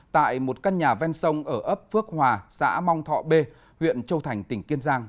tại một căn nhà ven sông ở ấp phước hòa xã mong thọ b huyện châu thành tỉnh kiên giang